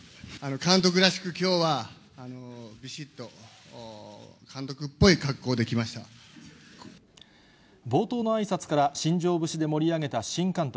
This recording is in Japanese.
監督らしくきょうはびしっと、冒頭のあいさつから新庄節で盛り上げた新監督。